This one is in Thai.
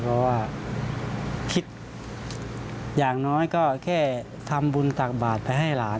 เพราะว่าคิดอย่างน้อยก็แค่ทำบุญตักบาทไปให้หลาน